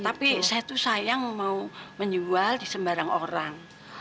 tapi saya tuh sayang mau menjual di sembarang orang